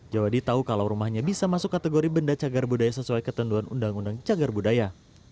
jawa di tahu kalau rumahnya bisa masuk kategori benda cagar budaya sesuai ketentuan undang undang cagar budaya